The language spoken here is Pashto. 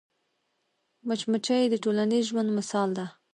مچمچۍ د ټولنیز ژوند مثال ده